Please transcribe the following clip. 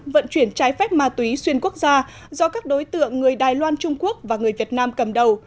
vận chuyển trái phép ma túy xuyên quốc gia do các đối tượng người đài loan trung quốc và người việt nam cầm đầu